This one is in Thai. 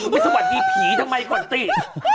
ไปสวัสดีผีทำไมก่อนสิ